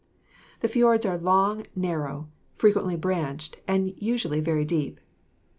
The fjords are long, narrow, frequently branched and usually very deep.